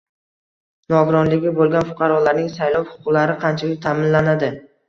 Nogironligi bo‘lgan fuqarolarning saylov huquqlari qanchalik ta’minlanadi?